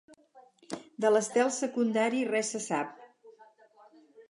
De l'estel secundari res se sap.